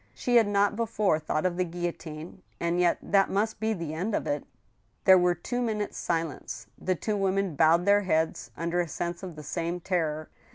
She had not before thought of the guillotine, and yet that must be the end of it. There was two minutes' silence. The two women bowed their heads under a sense of the same terror.